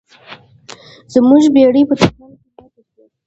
زموږ بیړۍ په طوفان کې ماته شوه.